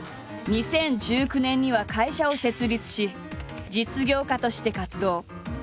２０１９年には会社を設立し実業家として活動。